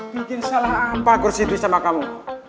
bikin salah apa gue sedih sama kamu